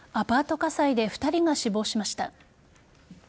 火災で２人が死亡しました。